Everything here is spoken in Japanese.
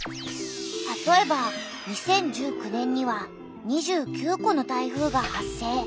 たとえば２０１９年には２９個の台風が発生。